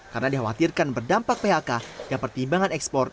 karena dikhawatirkan berdampak phk dan pertimbangan ekspor